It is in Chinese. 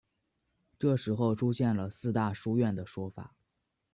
这时候出现了四大书院的说法。